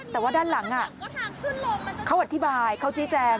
แต่ว่าด้านหลังเขาอธิบายเขาชี้แจง